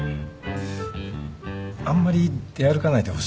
あんまり出歩かないでほしいんだけど。